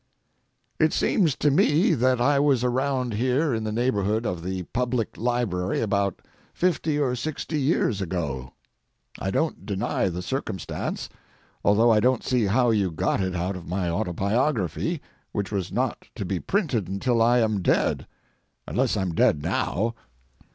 It seems to me that I was around here in the neighborhood of the Public Library about fifty or sixty years ago. I don't deny the circumstance, although I don't see how you got it out of my autobiography, which was not to be printed until I am dead, unless I'm dead now.